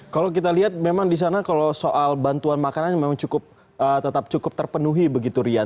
kalau kita lihat memang di sana kalau soal bantuan makanan memang cukup terpenuhi begitu rian